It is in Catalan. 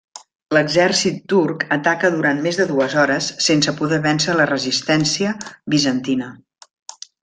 L'exèrcit turc ataca durant més de dues hores, sense poder vèncer la resistència bizantina.